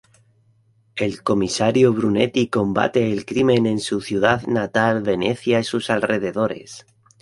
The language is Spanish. El comisario Brunetti combate el crimen en su ciudad natal, Venecia, y sus alrededores.